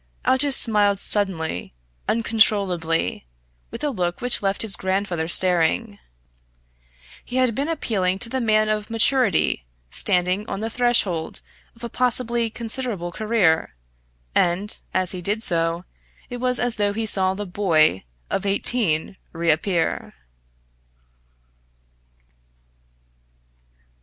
Aldous smiled suddenly uncontrollably with a look which left his grandfather staring. He had been appealing to the man of maturity standing on the threshold of a possibly considerable career, and, as he did so, it was as though he saw the boy of eighteen reappear!